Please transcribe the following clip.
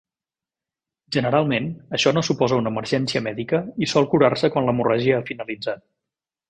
Generalment, això no suposa una emergència mèdica i sol curar-se quan l'hemorràgia ha finalitzat.